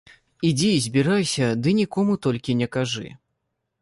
Ідзі, збірайся, ды нікому толькі не кажы.